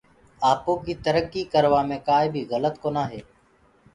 آپو ڪيٚ ترڪيٚ ڪروآ مي ڪآبي گلت ڪونآ هي۔